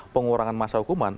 pengurangan masa hukuman